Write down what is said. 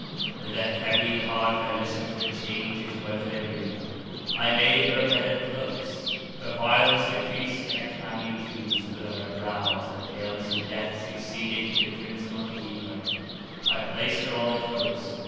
With an heavy heart I listened to the changes of her delirium; I made her a bed of cloaks; her violence decreased and a clammy dew stood on her brow as the paleness of death succeeded to the crimson of fever, I placed her on the cloaks.